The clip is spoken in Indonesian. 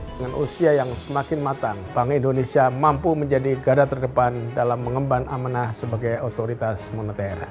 dengan usia yang semakin matang bank indonesia mampu menjadi garda terdepan dalam mengemban amanah sebagai otoritas moneter